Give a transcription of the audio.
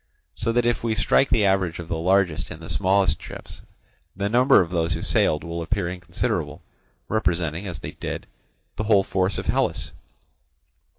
So that if we strike the average of the largest and smallest ships, the number of those who sailed will appear inconsiderable, representing, as they did, the whole force of Hellas.